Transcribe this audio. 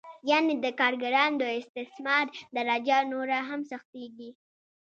یانې د کارګرانو د استثمار درجه نوره هم سختېږي